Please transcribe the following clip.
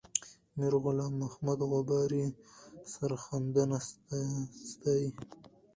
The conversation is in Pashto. میرغلام محمد غبار یې سرښندنه ستایي.